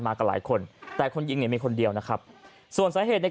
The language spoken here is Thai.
กับหลายคนแต่คนยิงเนี่ยมีคนเดียวนะครับส่วนสาเหตุใน